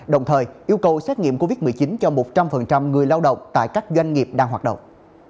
đồng thời yêu cầu xét nghiệm covid một mươi chín cho một trăm linh người lao động tại các doanh nghiệp đang hoạt động